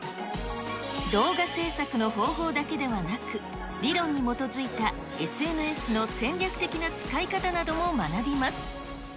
動画制作の方法だけではなく、理論に基づいたＳＮＳの戦略的な使い方なども学びます。